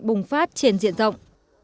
bùng phát trên diện rộng